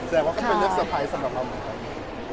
แสดงว่าก็เป็นเรื่องเซอร์ไพรส์สำหรับเราเหมือนกัน